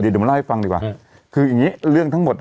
เดี๋ยวมาเล่าให้ฟังดีกว่าคืออย่างงี้เรื่องทั้งหมดอ่ะ